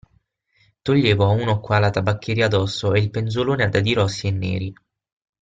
Toglievo a uno qua la tabacchiera d'osso e il penzolone a dadi rossi e neri.